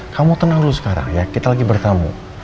kamu tenang dulu sekarang ya kita lagi bertamu